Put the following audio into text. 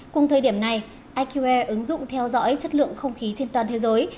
cùng thời điểm này iqe ứng dụng theo dõi chất lượng không khí trên toàn thế giới